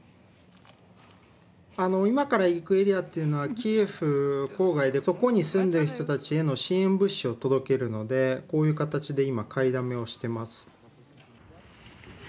今から行くエリアっていうのはキエフ郊外でそこに住んでる人たちへの支援物資を届けるのでこういう形で今買いだめをしてます。